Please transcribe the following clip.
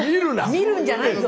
「見る」んじゃないぞと。